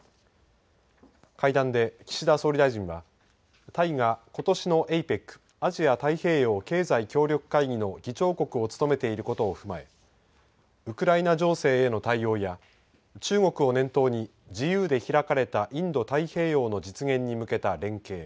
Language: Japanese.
会談で岸田総理大臣はタイがことしのＡＰＥＣ＝アジア太平洋経済協力会議の議長国を務めていることを踏まえウクライナ情勢への対応や中国を念頭に「自由で開かれたインド太平洋」の実現に向けた連携